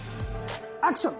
アクション！